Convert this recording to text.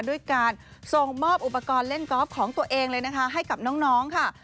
ด้วยการส่งมอบอุปกรณ์เล่นกอล์ฟของตัวเองเลยนะคะให้กับน้องค่ะ